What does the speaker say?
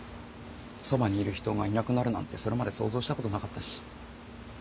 そばにいる人がいなくなるなんてそれまで想像したことなかったし。